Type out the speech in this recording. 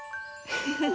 フフフ。